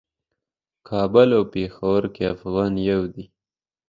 په کابل او پیښور کې افغان یو دی.